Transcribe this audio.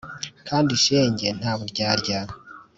kandi shenge nta buryarya